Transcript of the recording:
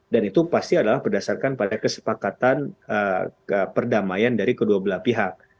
dan itu pasti adalah berdasarkan pada kesepakatan perdamaian dari kedua belah pihak